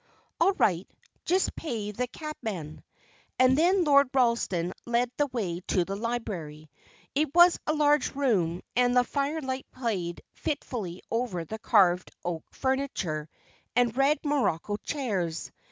"All right. Just pay the cabman." And then Lord Ralston led the way to the library. It was a large room, and the firelight played fitfully over the carved oak furniture and red morocco chairs.